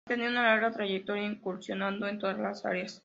Ha tenido una larga trayectoria incursionando en todas las áreas.